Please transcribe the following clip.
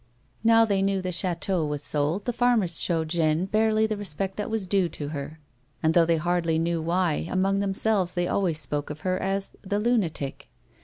222 A WOMAN'S LIFE. Xow they kuew the chateau was sold the farmers showed Jeanne barely the respect that was due to her, and, though they hardly knew why, amongst themselves they always spoke of her as " that lunatic."